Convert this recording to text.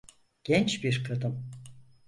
Genç bir kadın.